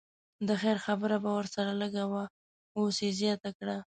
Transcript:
د خیر خبره به ورسره لږه وه اوس یې زیاته کړه.